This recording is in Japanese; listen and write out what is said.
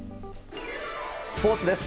スポーツです。